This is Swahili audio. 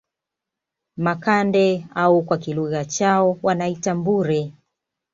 Makande au kwa kilugha chao wanaita Mbure